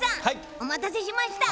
お待たせしました！